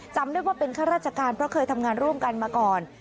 จำได้ว่าเป็นข้าราชการเพราะเคยทำงานร่วมกันมาก่อน